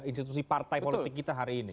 institusi partai politik kita hari ini